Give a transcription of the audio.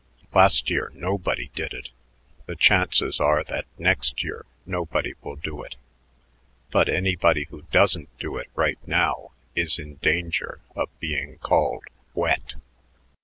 Last year nobody did it; the chances are that next year nobody will do it, but anybody who doesn't do it right now is in danger of being called wet."